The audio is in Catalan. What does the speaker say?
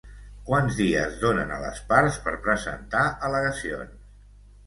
Quants dies donen a les parts per presentar al·legacions